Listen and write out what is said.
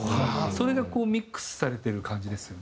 それがこうミックスされてる感じですよね。